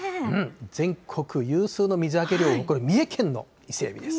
全国有数の水揚げ量を誇る三重県の伊勢えびです。